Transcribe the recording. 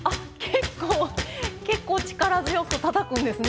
結構結構力強くたたくんですね。